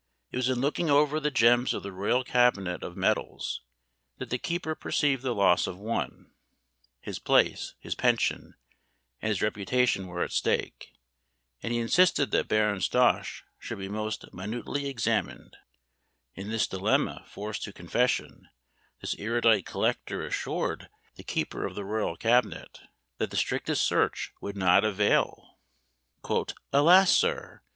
It was in looking over the gems of the royal cabinet of medals, that the keeper perceived the loss of one; his place, his pension, and his reputation were at stake: and he insisted that Baron Stosch should be most minutely examined; in this dilemma, forced to confession, this erudite collector assured the keeper of the royal cabinet, that the strictest search would not avail: "Alas, sir!